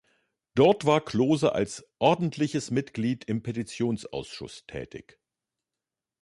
Dort war Klose als ordentliches Mitglied im Petitionsausschuss tätig.